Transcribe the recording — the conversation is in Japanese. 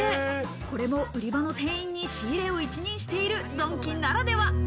これも売り場の店員に仕入れを一任しているドンキならでは。